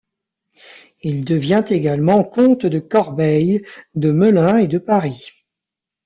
Il devient également comte de Corbeil, de Melun et de Paris.